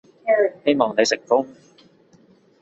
希望你成功